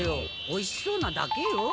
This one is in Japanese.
おいしそうなだけよ。